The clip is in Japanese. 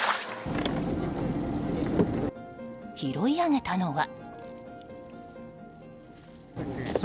拾い上げたのは。